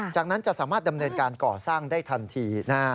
จากนั้นจะสามารถดำเนินการก่อสร้างได้ทันที